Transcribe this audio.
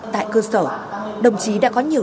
tại cơ sở đồng chí đã có nhiều